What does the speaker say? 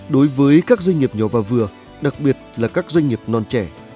đối với các doanh nghiệp nhỏ và vừa đặc biệt là các doanh nghiệp non trẻ